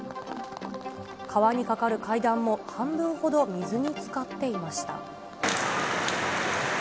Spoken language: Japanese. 川に架かる階段も半分ほど水につかっていました。